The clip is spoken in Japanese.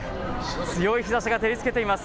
強い日ざしが照りつけています。